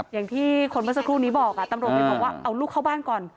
อย่างที่คนเมื่อสักครู่นี้บอกตำรวจไปบอกว่าเอาลูกเข้าบ้านก่อน